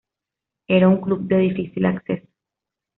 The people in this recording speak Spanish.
Era un club de difícil acceso.